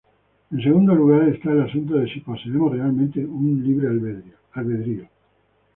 En segundo lugar, esta el asunto de si poseemos realmente un libre albedrío.